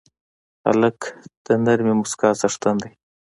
هلک د نرمې موسکا څښتن دی.